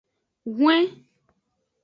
Hwen.